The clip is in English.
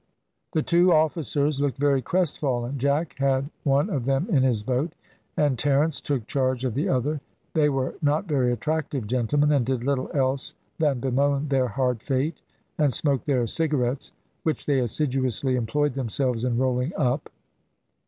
The two officers looked very crestfallen. Jack had one of them in his boat, and Terence took charge of the other. They were not very attractive gentlemen, and did little else than bemoan their hard fate and smoke their cigarettes, which they assiduously employed themselves in rolling up.